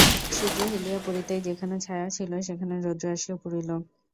সূর্য হেলিয়া পড়িতেই যেখানে ছায়া ছিল সেখানে রৌদ্র আসিয়া পড়িল।